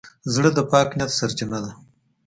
زړه د پاک نیت سرچینه ده.